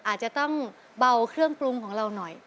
อาจจะต้องเบาเครื่องปรุงของเราหน่อย